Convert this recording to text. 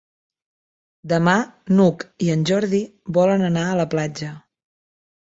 Demà n'Hug i en Jordi volen anar a la platja.